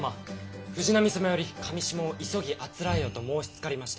藤波様より裃を急ぎあつらえよと申しつかりました。